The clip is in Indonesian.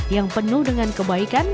yang penuh dengan kebaikan